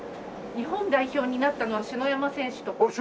日本代表になったのは篠山選手とか。